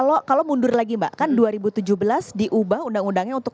oh kalau mundur lagi mbak kan dua ribu tujuh belas diubah undang undangnya untuk dua ribu sembilan belas